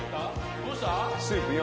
どうした？